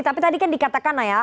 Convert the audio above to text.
tapi tadi kan dikatakan lah ya